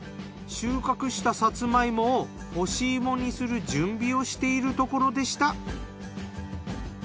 収穫したさつまいもを干し芋にする準備をしているところでした。